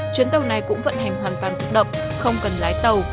chuyến tàu này cũng vận hành hoàn toàn tự động không cần lái tàu